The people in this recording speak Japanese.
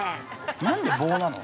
◆なんで棒なの？